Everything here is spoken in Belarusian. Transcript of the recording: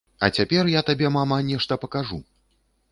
А цяпер я табе, мама, нешта пакажу.